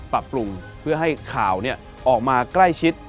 ปรับปรุงเพื่อให้ข่าวออกมาใกล้ชิด